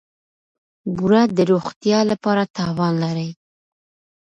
بوره د روغتیا لپاره تاوان لري.